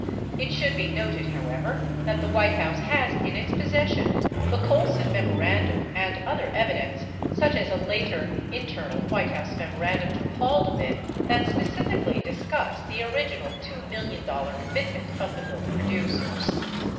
It should be noted, however, that the White House has in its possession the Colson memorandum and other evidence, such as a later internal White House memorandum to Haldeman, 58 that specifically discuss the original $2 million com mitment of the milk producers.